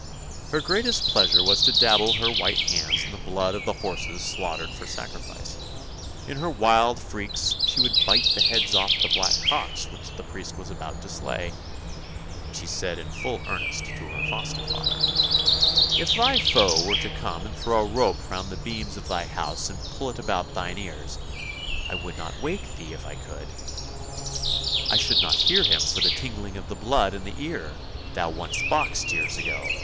Her greatest pleasure was to dabble her white hands in the blood of the horses slaughtered for sacrifice; in her wild freaks she would bite the heads off the black cocks which the priest was about to slay, and she said in full earnest to her foster father, " If thy foe were to come and throw a rope round the beams of THE MARSH KING'S DAUGHTER 287 thy house and pull it about thine ears, I would not wake thee if I could. I should not hear him for the tingling of the blood in the ear thou once boxed years ago!